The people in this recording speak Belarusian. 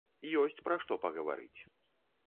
Ёсць пра што пагаварыць!